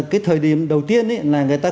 cái thời điểm đầu tiên là người ta